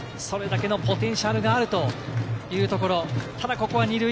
それだけのポテンシャルがあるというところ。